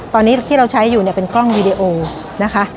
ตอนนี้ที่เราใช้อยู่เนี่ยเป็นกล้องวีดีโอนะคะ